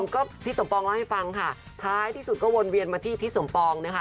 ก็พี่สมปองเล่าให้ฟังค่ะท้ายที่สุดก็วนเวียนมาที่ทิศสมปองนะคะ